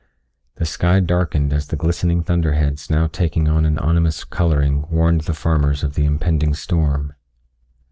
The sky darkened as the glistening thunderheads now taking on an ominous coloring warned the farmers of the impending storm.